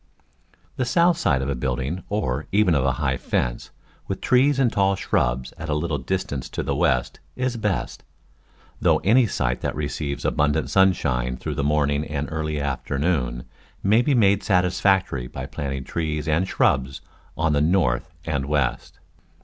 The south side of a building, or even of a high fence, with trees and tall shrubs at a little distance to the west, is best; though any site that receives abundant sunshine through the morning and early afternoon may be made satisfactory by planting trees and shrubs on the north and west.